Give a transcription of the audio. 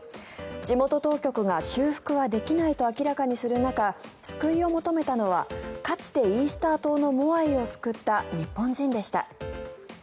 地元当局が修復はできないと明らかにする中救いを求めたのはかつてイースター島のモアイを救った日本人でした。